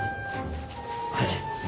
はい。